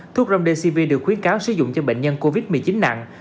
thuốc remdesivir được khuyến cáo sử dụng cho bệnh nhân covid một mươi chín nặng